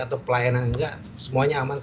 atau pelayanan enggak semuanya aman